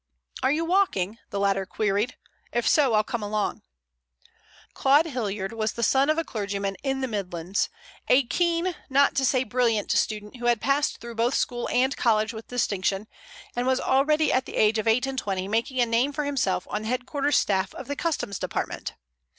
"Are you walking?" the latter queried. "If so I'll come along." Claud Hilliard was the son of a clergyman in the Midlands, a keen, not to say brilliant student who had passed through both school and college with distinction, and was already at the age of eight and twenty making a name for himself on the headquarters staff of the Customs Department.